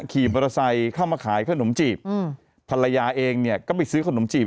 ขี่บรสัยเข้ามาขายขนมจีบภรรยาเองเนี่ยก็ไปซื้อขนมจีบ